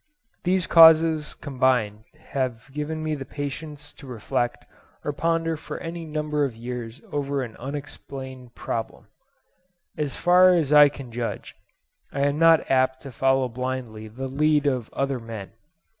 These causes combined have given me the patience to reflect or ponder for any number of years over any unexplained problem. As far as I can judge, I am not apt to follow blindly the lead of other men.